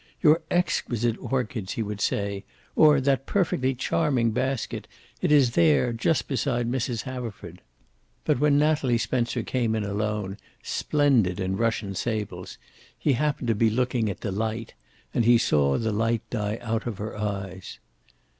"Your exquisite orchids," he would say; or, "that perfectly charming basket. It is there, just beside Mrs. Haverford." But when Natalie Spencer came in alone, splendid in Russian sables, he happened to be looking at Delight, and he saw the light die out of her eyes.